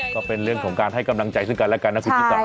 ก็เป็นเรื่องของการให้กำลังใจซึ่งกันแล้วกันนะคุณชิสา